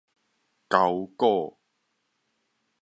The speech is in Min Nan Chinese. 鉤股